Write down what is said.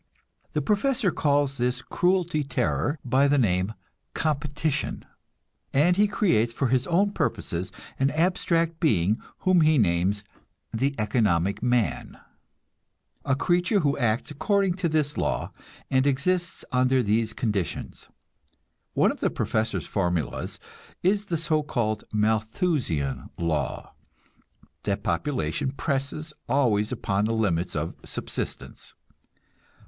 The professor calls this cruelty terror by the name "competition"; and he creates for his own purposes an abstract being whom he names "the economic man," a creature who acts according to this law, and exists under these conditions. One of the professor's formulas is the so called "Malthusian law," that population presses always upon the limits of subsistence.